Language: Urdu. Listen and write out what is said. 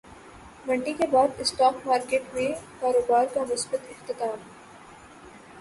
مندی کے بعد اسٹاک مارکیٹ میں کاروبار کا مثبت اختتام